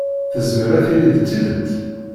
Tezmer ad tili d tidet.